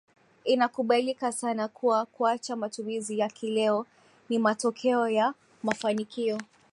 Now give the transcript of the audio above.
Inakubalika sana kuwa kuacha matumizi ya kileo ni matokeo ya mafanikio